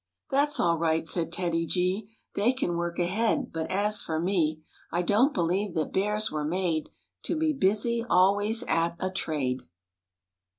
"That's all right," said TEDDY G, " They can work ahead, but as for me I don't believe that bears were made To be busy always at a trade."